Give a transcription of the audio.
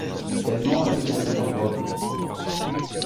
Initialement, la tour était en bois.